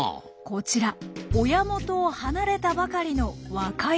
こちら親元を離れたばかりの若いオスです。